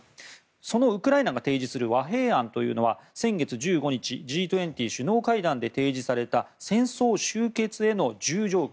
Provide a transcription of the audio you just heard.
そのウクライナが提示する和平案というのは先月１５日Ｇ２０首脳会談で提示された戦争終結への１０条件。